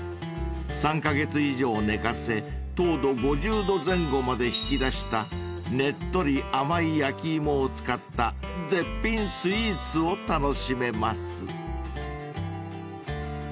［３カ月以上寝かせ糖度５０度前後まで引き出したねっとり甘い焼き芋を使った絶品スイーツを楽しめます］